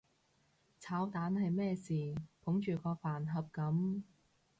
炒蛋係咩事捧住個飯盒噉？